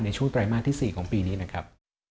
ในช่วงไตรมาสที่๔ของปีนี้นะครับ